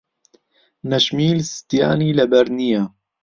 نەشمیل ستیانی لەبەر نییە.